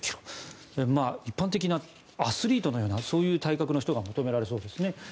一般的なアスリートのような体格の人が求められそうですね。